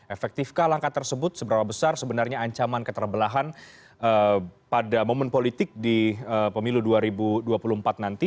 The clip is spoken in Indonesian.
efektifkah langkah tersebut seberapa besar sebenarnya ancaman keterbelahan pada momen politik di pemilu dua ribu dua puluh empat nanti